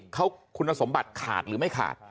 เขาคุณสมบัติขาดหรือไม่ขาด